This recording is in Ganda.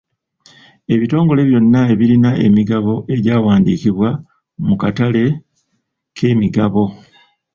Ebitongole byonna ebirina emigabo egyawandiikibwa mu katale k'emigabo.